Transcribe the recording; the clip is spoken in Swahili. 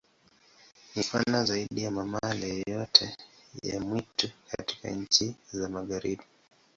Ni pana zaidi ya mamalia yoyote ya mwitu katika nchi za Magharibi.